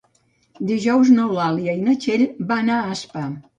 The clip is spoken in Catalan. Dijous n'Eulàlia i na Txell van a Aspa.